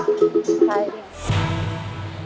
ใคร